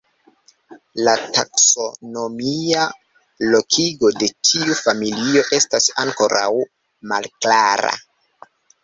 La taksonomia lokigo de tiu familio estas ankoraŭ malklara.